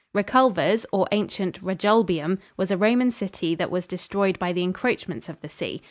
Reculvers, or ancient Regulbium, was a Roman city that was destroyed by the encroachments of the sea.